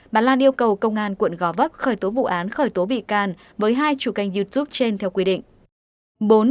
bà lan yêu cầu công an quận gò vấp khởi tố vụ án khởi tố bị can với hai chủ kênh youtube trên theo quy định